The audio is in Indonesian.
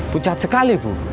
pucat sekali bu